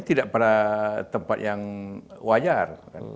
tidak pada tempat yang wajar